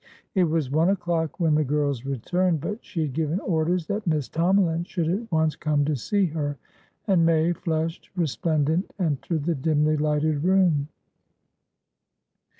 It was one o'clock when the girls returned, but she had given orders that Miss Tomalin should at once come to see her, and May, flushed, resplendent, entered the dimly lighted room.